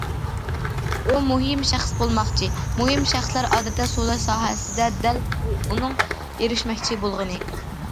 ئۇ مۇھىم شەخس بولماقچى، مۇھىم شەخسلەر ئادەتتە سودا ساھەسىدە، دەل بۇ ئۇنىڭ ئېرىشمەكچى بولغىنى.